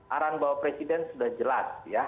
arahan bapak presiden sudah jelas ya